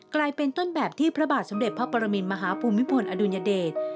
กลายเป็นต้นแบบที่พระบาทสมเด็จพระปรมินมหาภูมิพลอดุลยเดช